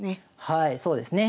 はいそうですね。